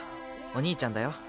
お兄ちゃんだよ。